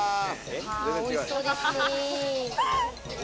おいしそうですね。